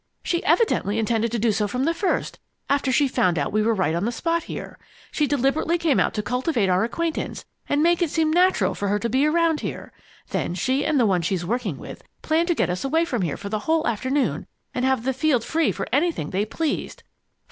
"She evidently intended to do so from the first, after she found out we were right on the spot here. She deliberately came out to cultivate our acquaintance and make it seem natural for her to be around here. Then she and the one she's working with planned to get us away from here for the whole afternoon and have the field free for anything they pleased.